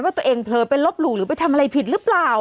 ว่าตัวเองเผลอไปลบหลู่หรือไปทำอะไรผิดหรือเปล่า